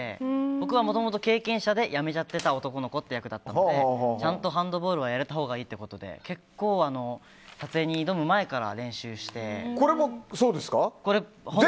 僕はもともと経験者でやめちゃってた男の子という役だったのでちゃんとハンドボールをやれたほうがいいということで結構、撮影に挑む前からこれもそうですか。